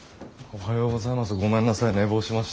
おはようございます。